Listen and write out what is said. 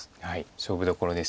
勝負どころです。